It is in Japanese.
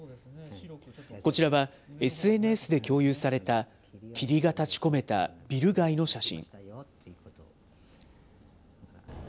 こちらは、ＳＮＳで共有された霧が立ちこめたビル街の写真。